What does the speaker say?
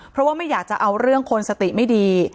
เพราะว่าไม่อยากจะเอาเรื่องคนสติไม่ดี